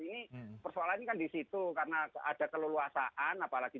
ini persoalannya kan di situ karena ada keleluasaan apalagi